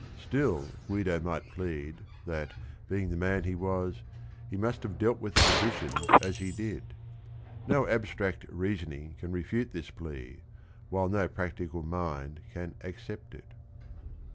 Still Guido might plead that, being the man he was, he must have dealt with the conditions as he did. No abstract reasoning can refute this plea, while no practical mind can accept it.